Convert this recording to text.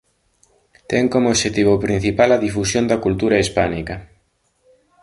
Ten como obxectivo principal a difusión da cultura hispánica.